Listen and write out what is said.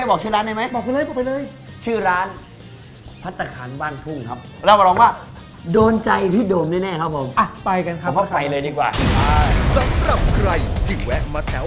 บอกได้เลยว่า